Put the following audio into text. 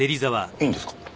いいんですか？